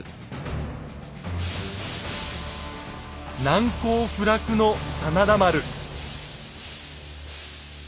難攻不落の真田丸。